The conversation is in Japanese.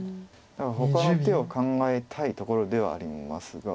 なのでほかの手を考えたいところではありますが。